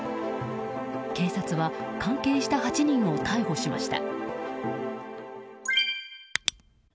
警察は関係した８人を逮捕しました。